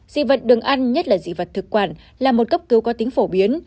dị vật đường ăn nhất là dị vật thực quản là một cấp cứu có tính phổ biến